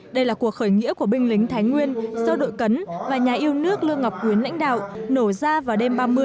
đây là cuộc khởi nghĩa của binh lính thái nguyên do đội cấn và nhà yêu nước lương ngọc huyến lãnh đạo nổ ra vào đêm ba mươi